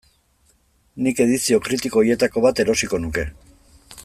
Nik edizio kritiko horietako bat erosiko nuke.